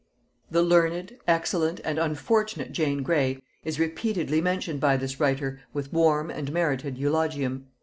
]The learned, excellent, and unfortunate Jane Grey is repeatedly mentioned by this writer with warm and merited eulogium.